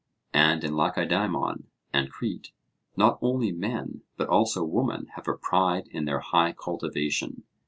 And in Lacedaemon and Crete not only men but also women have a pride in their high cultivation.